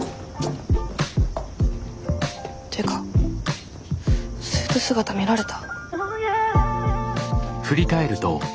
てかスーツ姿見られた？